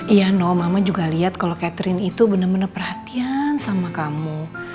iya noh mama juga lihat kalau catherine itu bener bener perhatian sama kamu